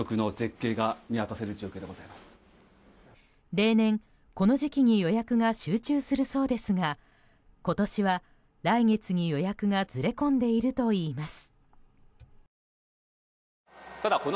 例年、この時期に予約が集中するそうですが今年は来月に、予約がずれ込んでいるといいます。